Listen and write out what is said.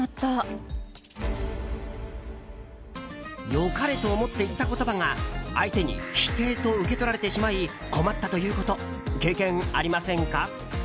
良かれと思って言った言葉が相手に否定と受け取られてしまい困ったということ経験ありませんか？